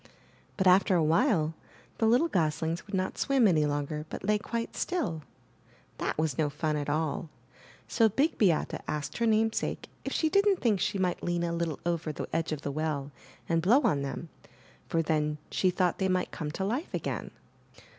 But after a while the little goslings would not swim any longer but lay quite still. That was 428 I N THE NURSERY no fun at all; so Big Beate asked her namesake if she didn't think she might lean a little over the edge of the well and blow on them, for then she thought they might come to life again.